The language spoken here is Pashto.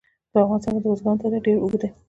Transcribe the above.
په افغانستان کې د بزګانو تاریخ ډېر اوږد دی.